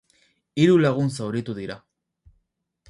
Hiru lagun zauritu dira.